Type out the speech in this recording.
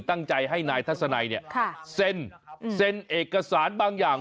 ตั้งใจให้นายทัศนัยเนี่ยเซ็นเอกสารบางอย่าง